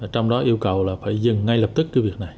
trong đó yêu cầu là phải dừng ngay lập tức cái việc này